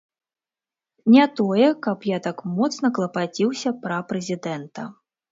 Не тое, каб я так моцна клапаціўся пра прэзідэнта.